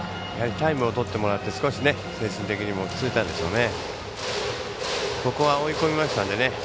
タイムをとってもらって少し精神的にも落ち着いたんでしょうね。